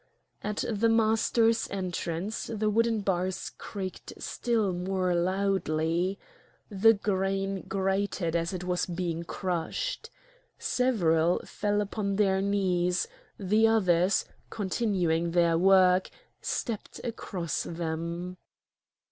At the master's entrance the wooden bars creaked still more loudly. The grain grated as it was being crushed. Several fell upon their knees; the others, continuing their work, stepped across them.